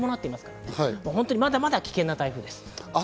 まだまだ危険な台風です。